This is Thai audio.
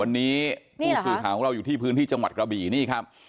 วันนี้ผู้สื่อข่าวของเราอยู่ที่พื้นที่จังหวัดกระบี่นี่ครับ